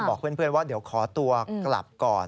บอกเพื่อนว่าเดี๋ยวขอตัวกลับก่อน